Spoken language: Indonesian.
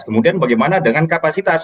kemudian bagaimana dengan kapasitas kami tanya